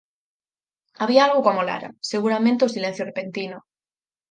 Había algo que o amolara: seguramente o silencio repentino.